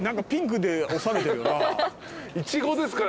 イチゴですから。